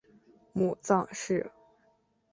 母臧氏。